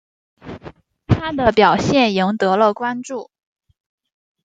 他的表现赢得了关注。